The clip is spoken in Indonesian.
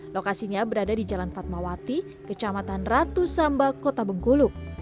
lokasinya berada di jalan fatmawati kecamatan ratu samba kota bengkulu